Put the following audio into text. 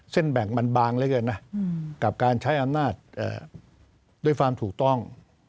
เส้นแบ่งมันบางเลยกับการใช้อำนาจด้วยความถูกต้อง